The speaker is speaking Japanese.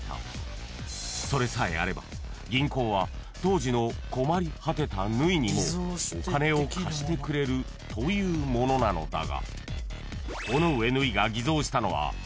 ［それさえあれば銀行は当時の困り果てた縫にもお金を貸してくれるというものなのだが］